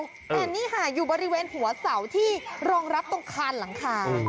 แต่นี่ค่ะอยู่บริเวณหัวเสาที่รองรับตรงคานหลังคา